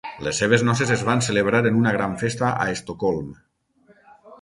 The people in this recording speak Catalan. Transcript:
Les seves noces es van celebrar en una gran festa a Estocolm.